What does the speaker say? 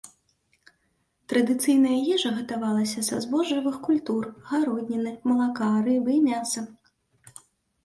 Традыцыйная ежа гатавалася са збожжавых культур, гародніны, малака, рыбы і мяса.